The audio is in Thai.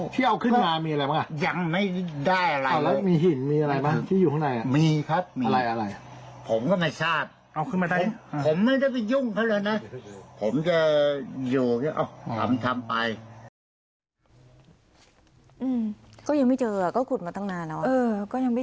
สวัสดีครับ